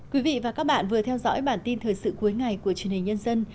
quý vị và các bạn vừa theo dõi bản tin thời sự cuối ngày của truyền hình nhân dân